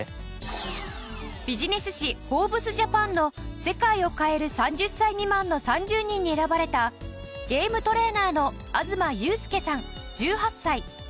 ビジネス誌『ＦｏｒｂｅｓＪＡＰＡＮ』の世界を変える３０歳未満の３０人に選ばれたゲームトレーナーの東佑丞さん１８歳。